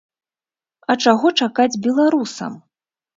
А чаго чакаць беларусам?